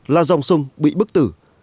là dòng sông bị bức tử